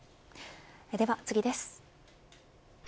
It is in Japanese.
では次です。